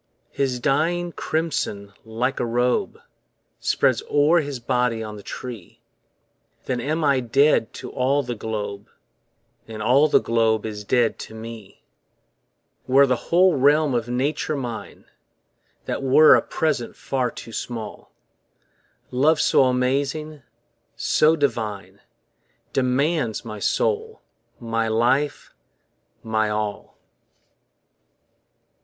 His dying crimson like a robe Spreads o'er his body on the tree, Then am I dead to all the globe, And all the globe is dead to me. Were the whole realm of Nature mine, That were a present far too small: Love so amazing, so divine Demands my soul, my life, my all.